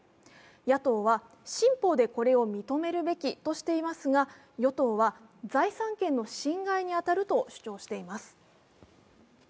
野党は新法でこれを認めるべきとしていますが、与党は財産権の侵害に当たると主張しています。